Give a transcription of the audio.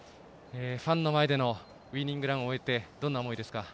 ファンの前でのウイニングランを終えてどんな思いですか。